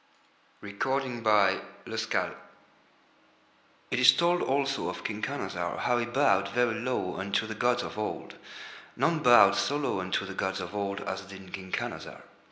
THE SORROW OF SEARCH It is told also of King Khanazar how he bowed very low unto the gods of Old. None bowed so low unto the gods of Old as did King Khanazar.